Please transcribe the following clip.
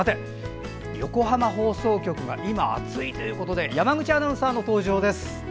横浜放送局が今熱いということで山口アナウンサーの登場です。